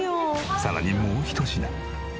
さらにもうひと品。